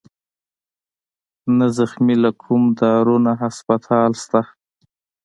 نه زخمى له کوم دارو نه هسپتال شت